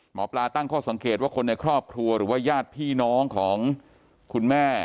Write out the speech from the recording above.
ตั้งข้อสังเกตว่าคนในครอบครัวหรือว่าญาติพี่น้องของคุณแม่